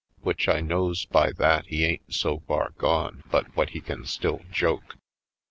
Which I knows by that he ain't so far gone but what he still can joke.